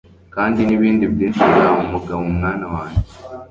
Kandi nibindi byinshi uzaba Umugabo mwana wanjye